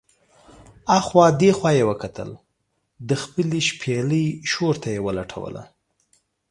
اخوا دې خوا یې کتل، د خپلې شپېلۍ شور ته یې لټوله.